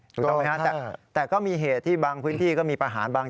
ถูกต้องไหมครับแต่ก็มีเหตุที่บางพื้นที่ก็มีประหารบาง